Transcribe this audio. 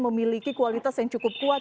memiliki kualitas yang cukup kuat